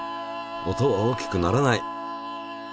音は大きくならない。